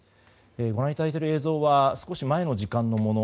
ご覧いただいている映像は少し時間が前のもの。